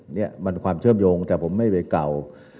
นี่มันความเชื่อมโยงแต่ผมไม่ไปเก่า